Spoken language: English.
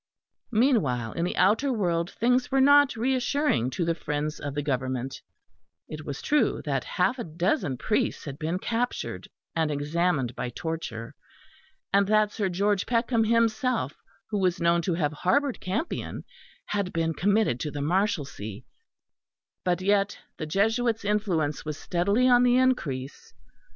Meanwhile in the outer world things were not reassuring to the friends of the Government: it was true that half a dozen priests had been captured and examined by torture, and that Sir George Peckham himself, who was known to have harboured Campion, had been committed to the Marshalsea; but yet the Jesuits' influence was steadily on the increase.